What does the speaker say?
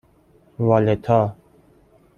والِتا